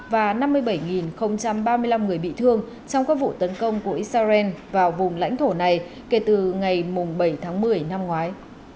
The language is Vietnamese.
và năm mươi bảy ba mươi năm người bị thương trong các vụ tấn công của israel vào vùng lãnh thổ này kể từ ngày bảy tháng một mươi năm ngoái